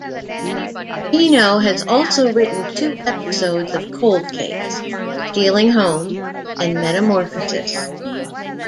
Pino has also written two episodes of "Cold Case": "Stealing Home" and "Metamorphosis".